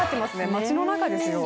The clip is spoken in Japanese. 街の中ですよ。